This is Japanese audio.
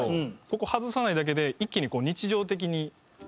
ここ外さないだけで一気に日常的に。